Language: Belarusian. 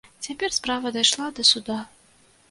Цяпер справа дайшла да суда.